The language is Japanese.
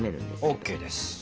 ＯＫです。